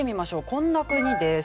こんな国です。